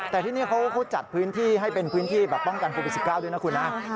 แต่ที่นี่เขาจัดพื้นที่ให้เป็นพื้นที่ป้องกันภูมิสิก้าวด้วยนะครับ